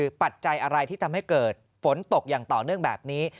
คือปัจจัยอะไรที่ทำให้เกิดฝนตกอย่างต่อเนื่องแบบนี้